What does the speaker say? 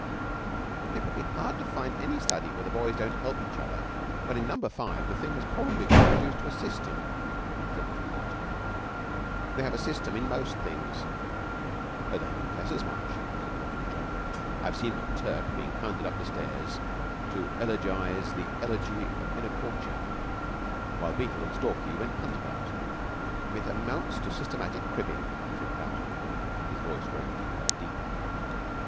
"It would be hard to find any study where the boys don't help each other; but in Number Five the thing has probably been reduced to a system," said little Hartopp. "They have a system in most things." "They confess as much," said the Reverend John. "I've seen McTurk being hounded up the stairs to elegise the 'Elegy in a Churchyard,' while Beetle and Stalky went to punt about." "It amounts to systematic cribbing," said Prout, his voice growing deeper and deeper.